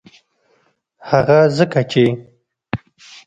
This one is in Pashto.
هغه ځکه چې